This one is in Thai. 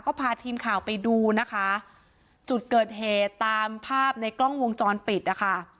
ก็พาทีมข่าวไปดูนะคะจุดเกิดเหตุตามภาพในกล้องวงจรปิดนะคะ